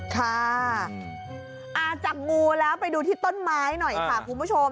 ค่ะอ่าจากงูแล้วไปดูที่ต้นไม้หน่อยค่ะคุณผู้ชม